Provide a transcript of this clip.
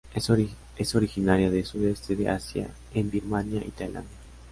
Es originaria del Sudeste de Asia en Birmania y Tailandia.